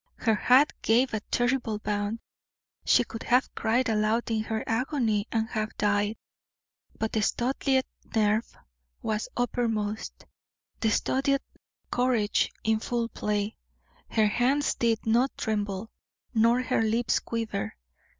Her heart gave a terrible bound; she could have cried aloud in her agony, and have died; but the Studleigh nerve was uppermost, the Studleigh courage in full play; her hands did not tremble, nor her lips quiver.